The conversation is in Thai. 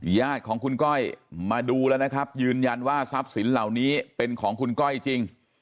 ญาติของคุณก้อยมาดูแล้วนะครับยืนยันว่าทรัพย์สินเหล่านี้เป็นของคุณก้อยจริง